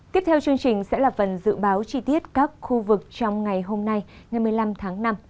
tiếp theo chương trình sẽ là phần dự báo chi tiết các khu vực trong ngày hôm nay ngày một mươi năm tháng năm